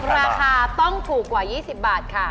ราคาต้องถูกกว่า๒๐บาทค่ะ